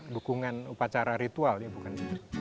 dukungan upacara ritual ya bukan